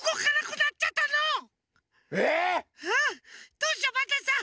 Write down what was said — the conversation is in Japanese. どうしようパンタンさん！